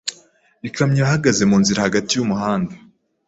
Ikamyo yahagaze mu nzira hagati y'umuhanda.